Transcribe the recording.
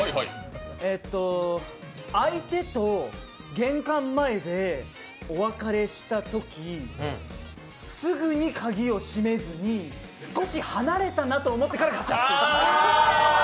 えーっと、相手と玄関前でお別れしたとき、すぐに鍵を閉めずに少し離れたなと思ってからカチャっと閉める。